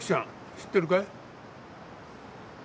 知ってるかい？